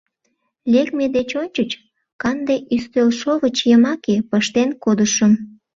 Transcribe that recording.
Лекме деч ончыч канде ӱстелшовыч йымаке пыштен кодышым.